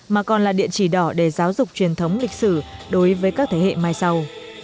mà còn là địa chỉ đỏ để giáo dục truyền thống lịch sử đối với các thế hệ mai sau